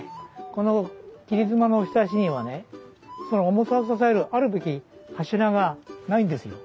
この切り妻のひさしにはねその重さを支えるあるべき柱がないんですよ。